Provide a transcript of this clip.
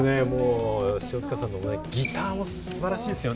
塩塚さんのギターも素晴らしいんですよ。